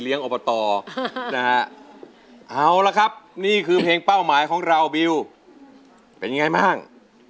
อบตนะฮะเอาละครับนี่คือเพลงเป้าหมายของเราบิวเป็นยังไงบ้าง